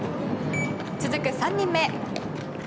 続く３人目。